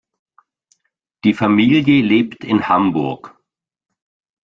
Die Familie lebt in Hamburg.